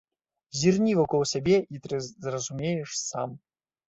Зірні вакол сябе, і ты зразумееш сам!